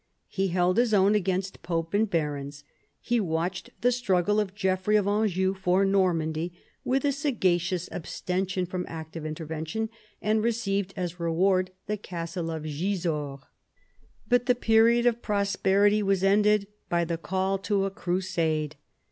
He held his own against pope and barons. He watched the struggle of Geoffrey of Anjou for Normandy with a sagacious abstention from active intervention, and received as reward the castle of Gisors. But the period of prosperity was ended by the call to a crusade.